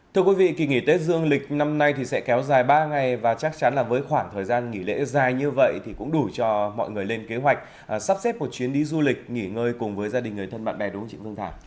thưa quý vị kỳ nghỉ tết dương lịch năm nay thì sẽ kéo dài ba ngày và chắc chắn là với khoảng thời gian nghỉ lễ dài như vậy thì cũng đủ cho mọi người lên kế hoạch sắp xếp một chuyến đi du lịch nghỉ ngơi cùng với gia đình người thân bạn bè đúng không chị phương thảo